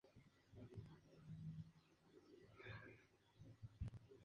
Pueblo y cabecera de la de El Valle.